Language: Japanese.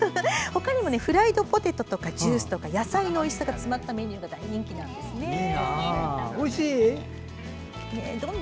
ほかにもフライドポテトとかジュースとか野菜のおいしさが詰まったメニューが大人気なんですね。